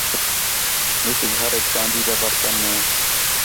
ہِک گھریک چاندی تا برتن ہے